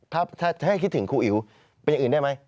ถ้าให้คิดถึงครูอิ๋วเป็นอย่างอื่นได้ไหม